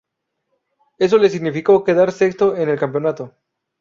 Eso le significó quedar sexto en el campeonato.